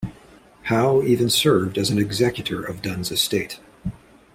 Howe even served as an Executor of Dunn's estate.